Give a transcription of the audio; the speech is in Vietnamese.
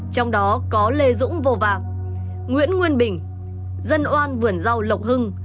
trong đó có lê dũng vô vạ nguyễn nguyên bình dân oan vườn rau lộc hưng